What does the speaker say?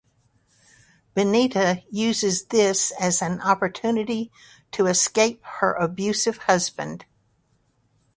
Benita uses this as an opportunity to escape her abusive husband.